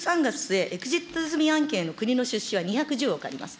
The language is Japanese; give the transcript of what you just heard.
ことし３月末、エグジット済み案件の国の出資は２１０億あります。